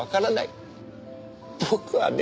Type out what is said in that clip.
僕はね